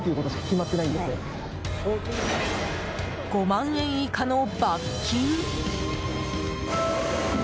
５万円以下の罰金？